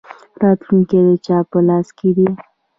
راتلونکی د چا په لاس کې دی؟